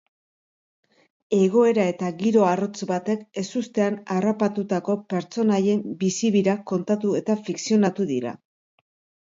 Egoera eta giro arrotz batek ezustean harrapatutako pertsonaien bizi-birak kontatu eta fikzionatu dira.